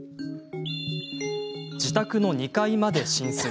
自宅の２階まで浸水。